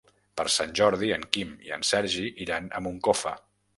Per Sant Jordi en Quim i en Sergi iran a Moncofa.